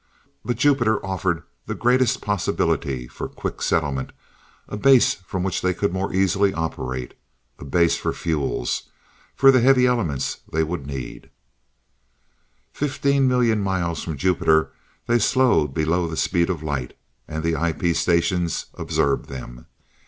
But Jupiter offered the greatest possibilities for quick settlement, a base from which they could more easily operate, a base for fuels, for the heavy elements they would need Fifteen million miles from Jupiter they slowed below the speed of light and the IP stations observed them.